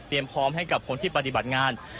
พร้อมให้กับคนที่ปฏิบัติงาน